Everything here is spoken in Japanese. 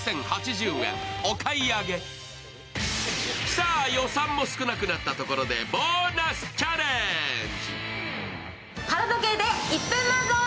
さあ、予算も少なくなったところでボーナスチャレンジ。